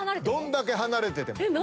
どんだけ離れてても。